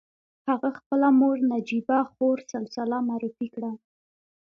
هغه خپله مور نجيبه خور سلسله معرفي کړه.